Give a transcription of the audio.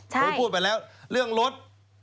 ใช่คุณพูดไปแล้วเรื่องรถ